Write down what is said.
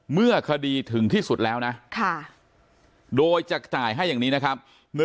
เมื่อคดีถึงที่สุดแล้วนะโดยจะจ่ายให้อย่างนี้นะครับ